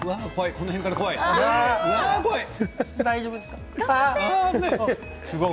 この辺から怖い危ない。